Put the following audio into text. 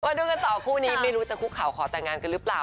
วันนี้ข้อกันต่อคู่นี้ไม่รู้จะคุกข่าวขอแต่งงานกันรึเปล่า